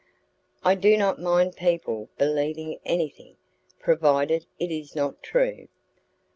"I do not mind people believing anything, provided it is not true."